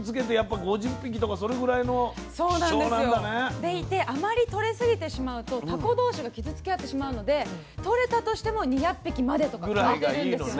でいてあまりとれすぎてしまうとタコ同士が傷つけ合ってしまうのでとれたとしても２００匹までとか。ぐらいがいいのね。